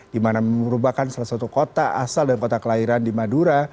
di mana merupakan salah satu kota asal dan kota kelahiran di madura